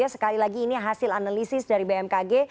sekali lagi ini hasil analisis dari bmkg